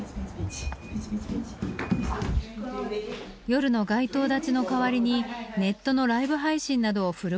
夜の街頭立ちの代わりにネットのライブ配信などをフル活用。